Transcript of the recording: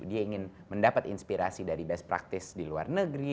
dia ingin mendapat inspirasi dari best practice di luar negeri